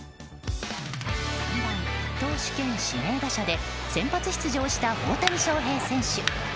３番投手兼指名打者で先発出場した大谷翔平選手。